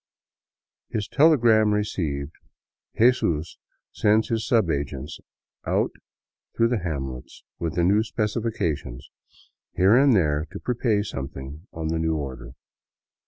His telegram received, Jesus sends his subagents out through the hamlets with the new specifications, here and there to prepay some thing on the new order.